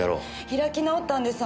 開き直ったんです